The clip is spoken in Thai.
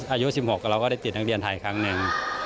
อายุ๑๖เราก็ได้ติดนักเรียนไทยครั้งหนึ่ง